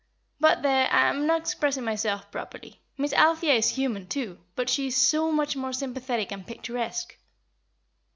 But, there, I am not expressing myself properly. Miss Althea is human, too, but she is so much more sympathetic and picturesque."